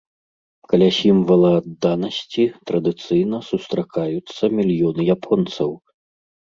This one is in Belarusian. Каля сімвала адданасці традыцыйна сустракаюцца мільёны японцаў.